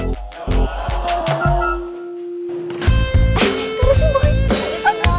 there's a sauna wilayah kah